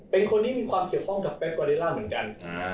เป็นคนที่มีความเกี่ยวข้องกับเป๊กกอเดล่าเหมือนกัน